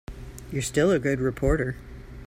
You're still a good reporter.